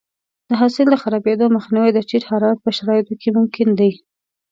د حاصل د خرابېدو مخنیوی د ټیټ حرارت په شرایطو کې ممکن دی.